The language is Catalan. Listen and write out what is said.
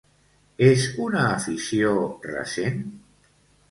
És una afició recent?